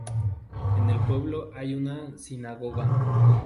En el pueblo hay una sinagoga.